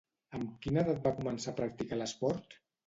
Amb quina edat va començar a practicar l'esport?